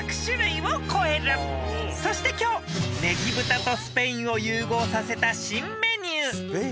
［そして今日ネギブタとスペインを融合させた新メニュー］